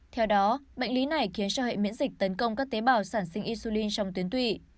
theo đó bệnh lý này khiến cho hệ miễn dịch tấn công các tế bào sản sinh isulin trong tuyến tụy